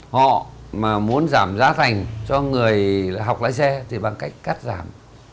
họ mà muốn giảm giá thành cho người học lái xe thì bằng cách cắt giảm